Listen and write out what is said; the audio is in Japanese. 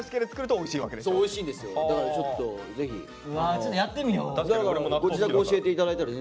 ちょっとやってみよう。